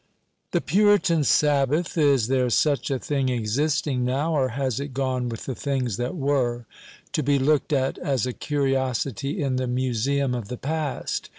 The Puritan Sabbath is there such a thing existing now, or has it gone with the things that were, to be looked at as a curiosity in the museum of the past?